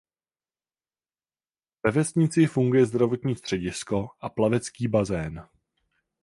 Ve vesnici funguje zdravotní středisko a plavecký bazén.